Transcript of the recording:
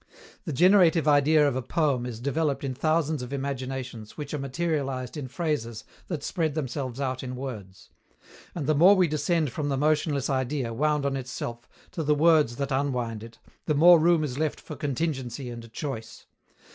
The generative idea of a poem is developed in thousands of imaginations which are materialized in phrases that spread themselves out in words. And the more we descend from the motionless idea, wound on itself, to the words that unwind it, the more room is left for contingency and choice.